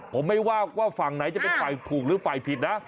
ผมไม่ว่าฝั่งไหนจะเป็นฝ่ายถูกหรือฝ่ายผิดนะ